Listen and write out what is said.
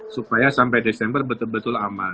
supaya sampai desember betul betul aman